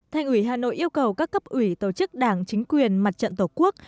thành ủy hà nội yêu cầu các cấp ủy tổ chức đảng chính quyền mặt trận tổ quốc